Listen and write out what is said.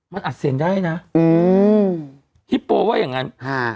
มันอัดเสียงได้นะอืมฮิปโปว่าอย่างงั้นฮะ